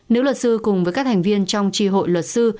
nếu luật sư cùng với các thành viên trong tri hội luật sư